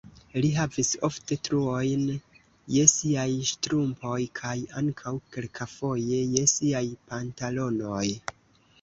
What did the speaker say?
Li havis ofte truojn je siaj ŝtrumpoj kaj ankaŭ kelkafoje je siaj pantalonoj.